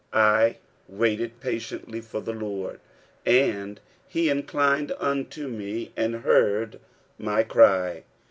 I WAITED patiently for the LORD ; and he inclined unto me, and heard my cry.